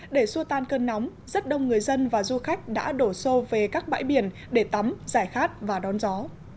để xua tan cơn nóng rất đông người dân và du khách đã đổ xô về các bãi biển để tắm giải khát và đón gió